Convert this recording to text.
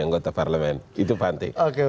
anggota parlemen itu pantik oke